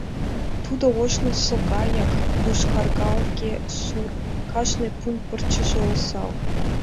Тудо ожнысо гаяк, йошкаргалге-сур, кажне пун пырчыже осал.